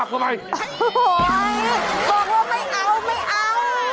โอ้โฮบอกว่าไม่เอาไม่เอา